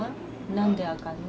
なんであかんの？